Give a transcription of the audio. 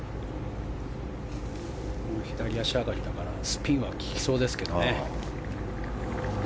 左足上がりだからスピンは利きそうですけどね。